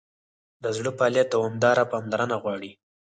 د زړه فعالیت دوامداره پاملرنه غواړي.